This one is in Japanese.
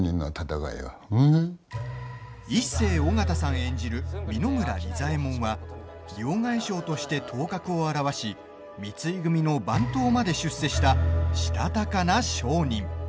演じる三野村利左衛門は両替商として頭角を現し三井組の番頭まで出世したしたたかな商人。